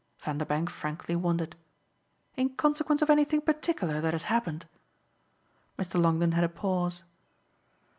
Vanderbank frankly wondered. "In consequence of anything particular that has happened?" Mr. Longdon had a pause.